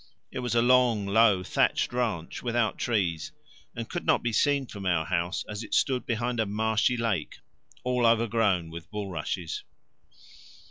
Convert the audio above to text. It was a long low thatched ranch without trees, and could not be seen from our house as it stood behind a marshy lake overgrown with all bulrushes.